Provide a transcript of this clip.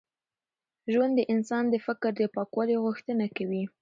ژوند د انسان د فکر د پاکوالي غوښتنه کوي.